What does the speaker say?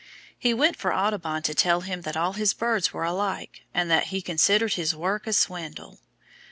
He sent for Audubon to tell him that all his birds were alike, and that he considered his work a swindle.